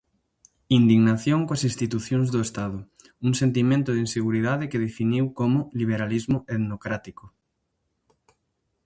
Indignación coas institucións do Estado, un sentimento de inseguridade que definiu como "liberalismo etnocrático".